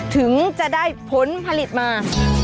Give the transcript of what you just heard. ถึงจะได้ผลผลิตมา